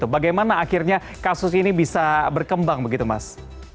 bagaimana akhirnya kasus ini bisa berkembang begitu mas